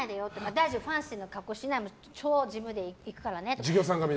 大丈夫、ファンシーな格好しない超地味で行くからねって。